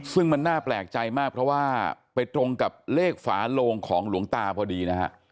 ซึ่งมันน่าแปลกใจมากเพราะว่าไปตรงกับเลขฝาโลงของหลวงตาพอดีนะฮะ